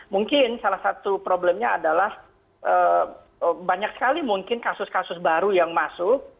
mungkin salah satu problemnya adalah banyak sekali mungkin kasus kasus baru yang masuk